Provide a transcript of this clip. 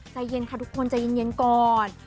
ใจเย็นค่ะทุกคนใจเย็นก่อน